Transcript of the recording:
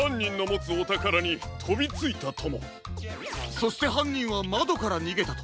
そしてはんにんはまどからにげたと。